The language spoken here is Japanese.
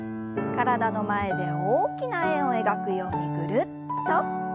体の前で大きな円を描くようにぐるっと。